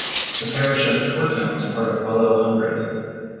The parish of Twerton was part of the Wellow Hundred.